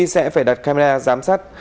sẽ phải đặt camera giám sát hai mươi bốn